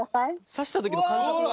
刺した時の感触が。